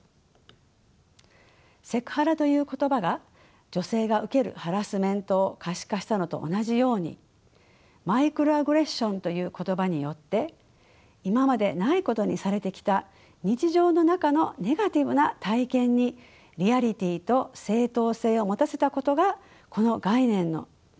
セクハラという言葉が女性が受けるハラスメントを可視化したのと同じようにマイクロアグレッションという言葉によって今までないことにされてきた日常の中のネガティブな体験にリアリティーと正当性を持たせたことがこの概念の重要な意義です。